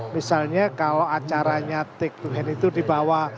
misalnya kalau acaranya take to hand itu dibawa